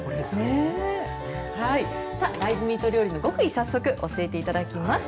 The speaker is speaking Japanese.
大豆ミート料理の極意、早速教えていただきます。